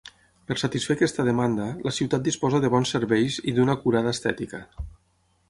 Per satisfer aquesta demanda, la ciutat disposa de bons serveis i d'una acurada estètica.